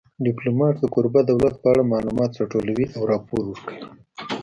ډیپلومات د کوربه دولت په اړه معلومات راټولوي او راپور ورکوي